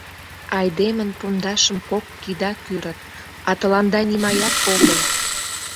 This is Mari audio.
Айдемын пондашым кок кида кӱрыт, а тыланда нимаят огыл!..